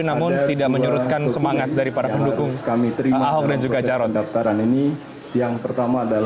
namun tidak menyurutkan semangat dari para pendukung ahok dan juga jarot